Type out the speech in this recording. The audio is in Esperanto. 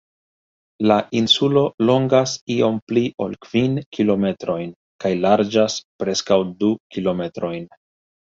La insulo longas iom pli ol kvin kilometrojn kaj larĝas preskaŭ du kilometrojn.